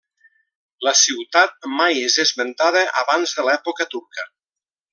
La ciutat mai és esmentada abans de l'època turca.